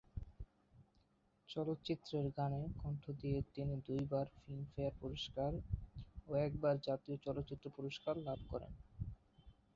চলচ্চিত্রের গানে কণ্ঠ দিয়ে তিনি দুইবার ফিল্মফেয়ার পুরস্কার ও একবার জাতীয় চলচ্চিত্র পুরস্কার লাভ করেন।